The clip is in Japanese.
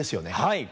はい！